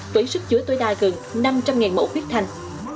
với sức chứa tối đa gần năm trăm linh mẫu huyết thanh